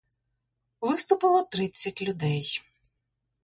Виступило тридцять людей.